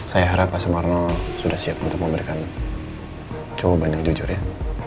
saya harap pak sarmarno sudah siap untuk memberikan cowok bandang jujur ya